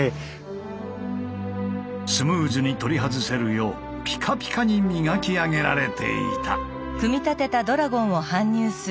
スムーズに取り外せるようピカピカに磨き上げられていた。